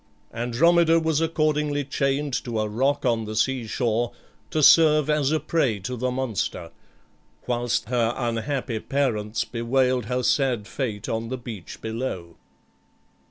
Andromeda was accordingly chained to a rock on the sea shore to serve as a prey to the monster, whilst her unhappy parents bewailed her sad fate on the beach below.